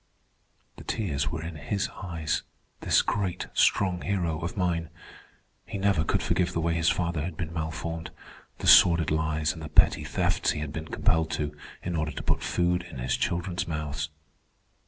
The tears were in his eyes, this great, strong hero of mine. He never could forgive the way his father had been malformed—the sordid lies and the petty thefts he had been compelled to, in order to put food in his children's mouths.